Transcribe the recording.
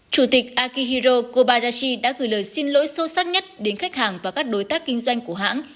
chủ tịch akihiro kobadashi đã gửi lời xin lỗi sâu sắc nhất đến khách hàng và các đối tác kinh doanh của hãng